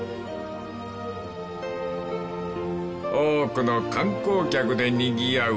［多くの観光客でにぎわう